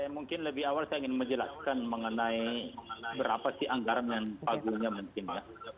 mungkin lebih awal saya ingin menjelaskan mengenai berapa sih anggaran yang pagunya penting ya